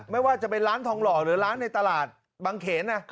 ไม่ว่าจะเป็นร้านทองหล่อหรือร้านในตลาดบางเขน